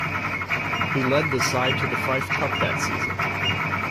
He led the side to the Fife Cup that season.